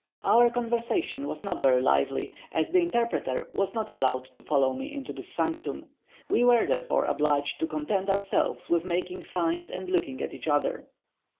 Our conversation was not very lively, as the interpreter was not allowed to follow me into this sanctum. We were therefore obliged to content ourselves with making signs and looking at one another.